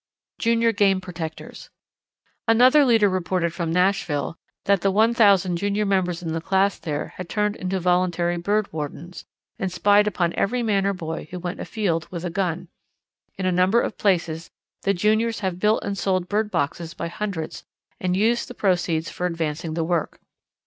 Junior Game Protectors. Another leader reported from Nashville that the one thousand junior members in the schools there had turned into voluntary bird wardens, and spied upon every man or boy who went afield with a gun. In a number of places the juniors have built and sold bird boxes by hundreds and used the proceeds for advancing the work.